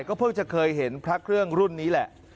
เพิ่งจะเคยเห็นพระเครื่องรุ่นนี้แหละ